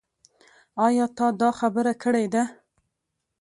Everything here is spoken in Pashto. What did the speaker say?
ايا تا دا خبره کړې ده ؟